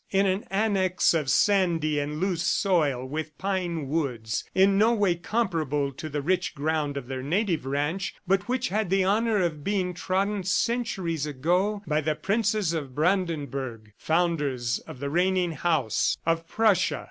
... in an annex of sandy and loose soil with pine woods in no way comparable to the rich ground of their native ranch, but which had the honor of being trodden centuries ago by the Princes of Brandenburg, founders of the reigning house of Prussia.